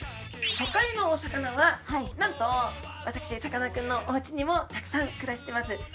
初回のお魚はなんと私さかなクンのおうちにもたくさん暮らしてます